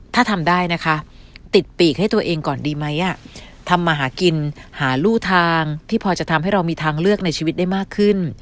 ถ้าทำได้นะคะติดปีกให้ตัวเองก่อนดีไหมทำมาหากินหารู่ทางที่พอจะทำให้เรามีทางเลือกในชีวิตได้มากขึ้น